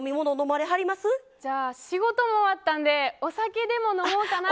じゃあ、仕事もあったんでお酒でも飲もうかな。